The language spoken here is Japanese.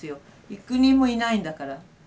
幾人もいないんだから。